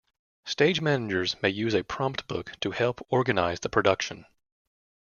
Stage managers may use a prompt book to help organize the production.